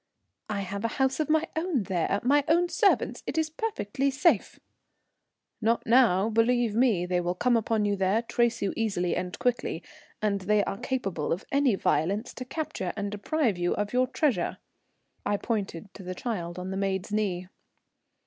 "I have a house of my own there my own servants. It is perfectly safe." "Not now, believe me, they will come upon you there; trace you easily and quickly, and they are capable of any violence to capture and deprive you of your treasure." I pointed to the child on the maid's knee.